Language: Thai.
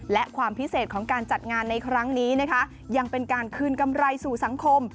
และความพิเศษของการจัดงานในครั้งนี้นะคะยังเป็นการคืนกำไรสู่สังคม